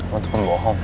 gua tuh pembohong